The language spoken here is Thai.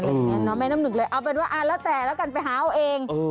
ครูหละอย่าไม่น้ำหนึ่งเลยเป็นว่าแล้วแต่ละกันไปหาเอาเอง